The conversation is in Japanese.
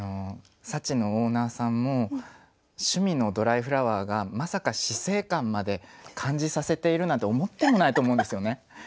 「幸」のオーナーさんも趣味のドライフラワーがまさか死生観まで感じさせているなんて思ってもないと思うんですよね。